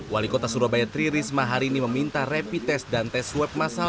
wali kota surabaya tri risma hari ini meminta repit tes dan tes web masal